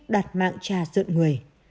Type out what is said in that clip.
đạt mạng trà rợn người